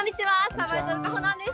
さばいどる、かほなんです。